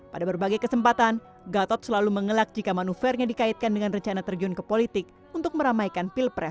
pada berbagai kesempatan gatot selalu mengelak jika manuvernya dikaitkan dengan rencana terjun ke politik untuk meramaikan pilpres dua ribu sembilan belas